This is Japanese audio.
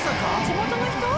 「地元の人？」